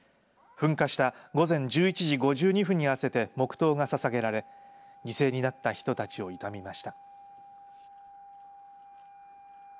噴火した午前１１時５２分に合わせて黙とうがささげられ犠牲になった人たちを悼みました。